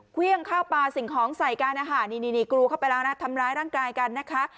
เครื่องข้าวปลาสิ่งของใส่การอาหารนี่กรูเข้าไปแล้วนะทำร้ายร่างกายกันนะคะ